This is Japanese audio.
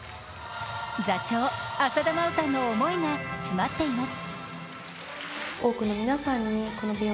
座長・浅田真央さんの思いが詰まっています。